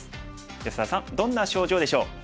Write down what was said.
安田さんどんな症状でしょう？